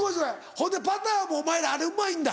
ほんでパターもお前らあれうまいんだ。